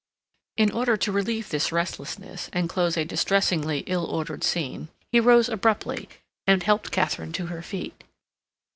In order to relieve this restlessness and close a distressingly ill ordered scene, he rose abruptly and helped Katharine to her feet.